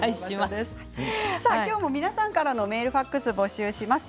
今日も皆さんからのメール、ファックスを募集します。